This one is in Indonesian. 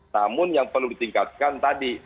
namun yang perlu ditingkatkan tadi